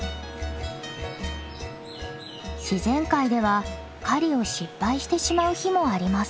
自然界では狩りを失敗してしまう日もあります。